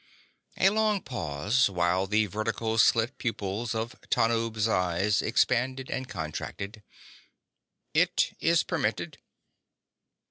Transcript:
A long pause while the vertical slit pupils of Tanub's eyes expanded and contracted. "It is permitted."